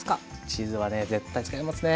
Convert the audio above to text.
チーズはね絶対使いますね！